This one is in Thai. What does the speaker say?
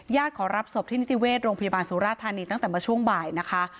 ขอรับศพที่นิติเวชโรงพยาบาลสุราธานีตั้งแต่มาช่วงบ่ายนะคะ